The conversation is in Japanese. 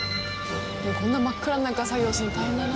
こんな真っ暗な中作業するの大変だな。